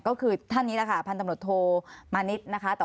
ก็คือท่านนี้นะคะพันธมรถโทมานิดนะคะ